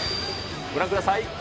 ご覧ください。